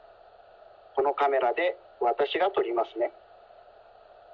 このカメラでわたしがとりますね。